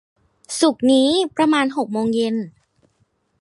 ศุกร์นี้ ประมาณหกโมงเย็น